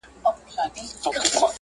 له مخي چلند کوي